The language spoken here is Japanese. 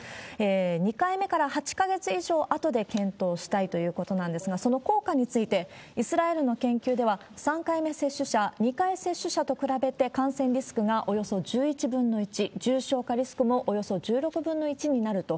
２回目から８か月以上あとで検討したいということなんですが、その効果について、イスラエルの研究では、３回目接種者、２回接種者と比べて感染リスクがおよそ１１分の１、重症化リスクもおよそ１６分の１になると。